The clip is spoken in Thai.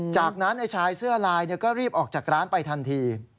จากนั้นชายเสื้อลายก็รีบออกจากร้านไปทันที